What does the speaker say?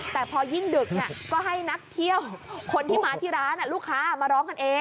แต่พอยิ่งดึกก็ให้นักเที่ยวคนที่มาที่ร้านลูกค้ามาร้องกันเอง